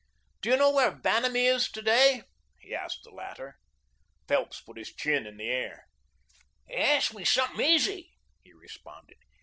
"Do you know where Vanamee is to day?" he asked the latter. Phelps put his chin in the air. "Ask me something easy," he responded.